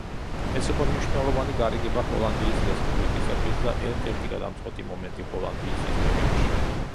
ეს იყო მნიშვნელოვანი გარიგება ჰოლანდიის რესპუბლიკისთვის და ერთ-ერთი გადამწყვეტი მომენტი ჰოლანდიის ისტორიაში.